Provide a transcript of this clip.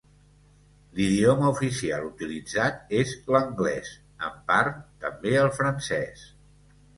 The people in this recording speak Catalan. L'idioma oficial utilitzat és l'anglès, en part també el francès.